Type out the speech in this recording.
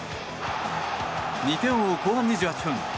２点を追う後半２８分